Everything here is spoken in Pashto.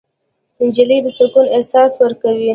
نجلۍ د سکون احساس ورکوي.